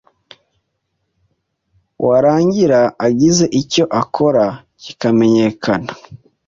warangira agize icyo akora kikamenyekana.